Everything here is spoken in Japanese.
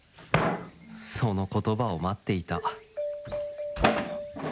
その言葉を待っていた